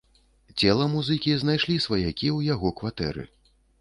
Цела музыкі знайшлі сваякі ў яго кватэры.